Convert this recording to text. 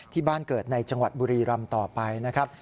ที่บ้านเกิดในจังหวัดบุรีรำต่อไปนะครับ